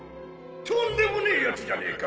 とんでもねえやつじゃねか！